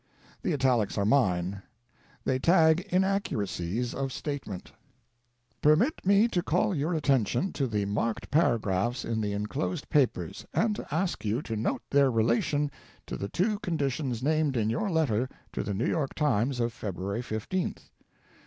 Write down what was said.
The italics are mine; they tag inaccuracies of statement: 524: THE NORTH AMERICAN REVIEW. "Permit me to call your attention to the marked paragraphs in the inclosed papers, and to ask you to note their relation to the two conditions named in your letter to the New York Tribune of February 15th.